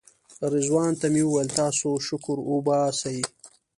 رضوان ته مې ویل تاسې شکر وباسئ.